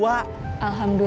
aku juga mau